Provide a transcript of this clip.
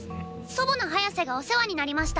祖母のハヤセがお世話になりました。